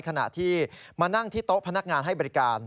ขณะที่มานั่งที่โต๊ะพนักงานให้บริการ